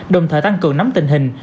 đồng thời tăng cường nắm tình hình